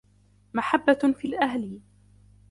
مَحَبَّةٌ فِي الْأَهْلِ